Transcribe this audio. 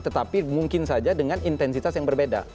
tetapi mungkin saja dengan intensitas yang berbeda